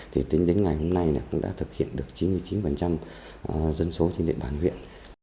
thì tính đến ngày hôm nay cũng đã thực hiện được chín mươi chín dân số trên địa bàn huyện